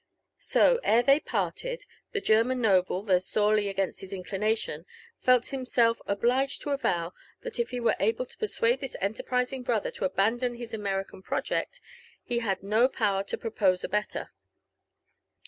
So, ere they parted, the German noble, though sorely against his inclinalioA, felt himself obliged to avow, that if he were able to persuade this enterprising brother to abandon his American project, he had no power to propose a better.